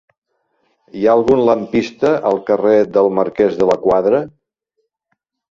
Hi ha algun lampista al carrer del Marquès de la Quadra?